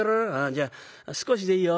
じゃあ少しでいいよ。